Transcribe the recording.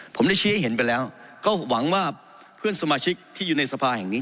ผมได้ชี้ให้เห็นไปแล้วก็หวังว่าเพื่อนสมาชิกที่อยู่ในสภาแห่งนี้